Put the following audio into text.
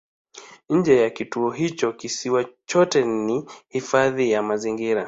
Nje ya kituo hicho kisiwa chote ni hifadhi ya mazingira.